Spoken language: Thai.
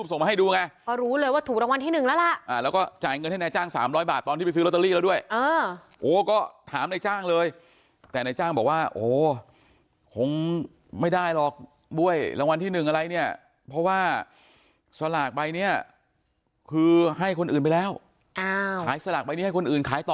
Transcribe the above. ๕แสนบาทตามภาพนี้นะครับใช่ค่ะโดยเอาไปคืนที่สพมคปฐ